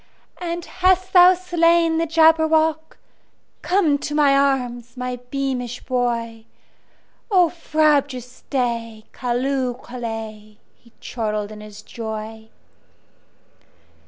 "And hast thou slain the Jabberwock? Come to my arms, my beamish boy!O frabjous day! Callooh! Callay!"He chortled in his joy.